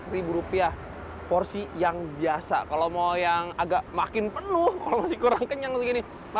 seratus ribu rupiah porsi yang biasa kalau mau yang agak makin penuh kalau masih kurang kenyang begini